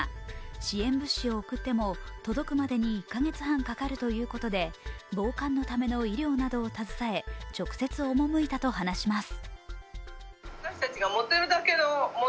支援物資を送っても届くまでに１か月半かかるということで防寒のための衣料などを携え直接赴いたと話します。